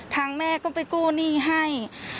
แม่ก็ไปกู้หนี้ให้